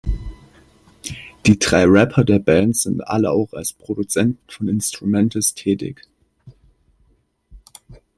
Die drei Rapper der Band sind alle auch als Produzenten von Instrumentals tätig.